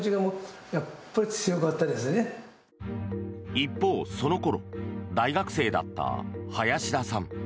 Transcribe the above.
一方、その頃大学生だった林田さん。